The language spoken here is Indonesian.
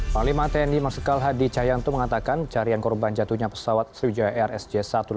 panglima tni marsikal hadi cahyanto mengatakan carian korban jatuhnya pesawat sriwijaya rsj satu ratus delapan puluh